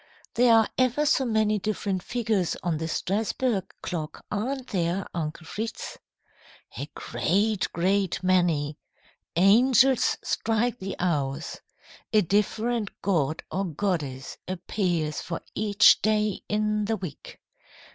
There are ever so many different figures on the Strasburg clock, aren't there, Uncle Fritz?" "A great, great many. Angels strike the hours. A different god or goddess appears for each day in the week.